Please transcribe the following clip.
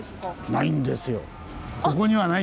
ないんですよ。